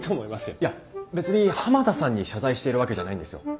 いや別に浜田さんに謝罪しているわけじゃないんですよ。